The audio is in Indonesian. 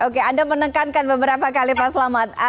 oke anda menekankan beberapa kali pak selamat